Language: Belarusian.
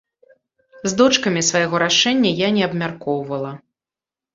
З дочкамі свайго рашэння я не абмяркоўвала.